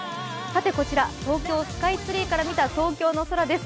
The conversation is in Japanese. こちら、東京・スカイツリーから見た東京の空です。